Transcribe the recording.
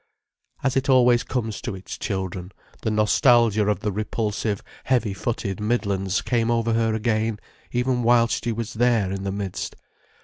As it always comes to its children, the nostalgia of the repulsive, heavy footed Midlands came over her again, even whilst she was there in the midst.